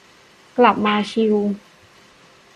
กลับมาชิล